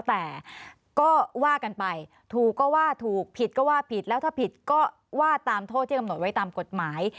แต่ก็ว่ากันไปถูกก็ว่าถูกผิดก็ว่าผิดแล้วถ้าผิดก็ว่าตามโทษที่กำหนดไว้ตามกฎหมาย